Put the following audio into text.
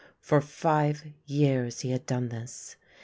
For five years he had done this.